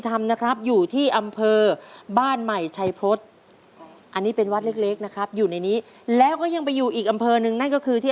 ทุกทุกทุกทุกทุกทุก